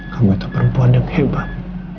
kamu itu perempuan yang hebat